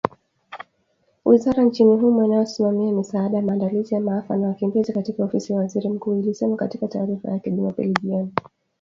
wizara nchini humo inayosimamia misaada maandalizi ya maafa na wakimbizi katika Ofisi ya Waziri Mkuu ilisema katika taarifa yake Jumapili jioni